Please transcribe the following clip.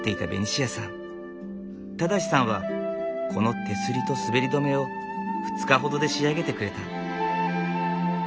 正さんはこの手すりと滑り止めを２日ほどで仕上げてくれた。